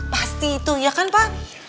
pasti itu ya kan pak